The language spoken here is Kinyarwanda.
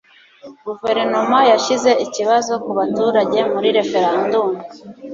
guverinoma yashyize ikibazo ku baturage muri referendum